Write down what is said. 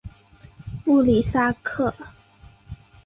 布里萨克。